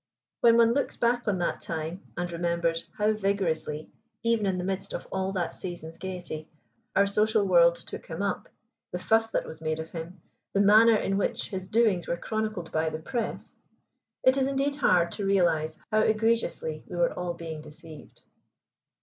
When one looks back on that time, and remembers how vigorously, even in the midst of all that season's gaiety, our social world took him up, the fuss that was made of him, the manner in which his doings were chronicled by the Press, it is indeed hard to realize how egregiously we were all being deceived.